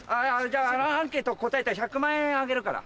じゃあアンケート答えたら１００万円あげるから。